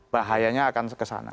bahayanya akan kesana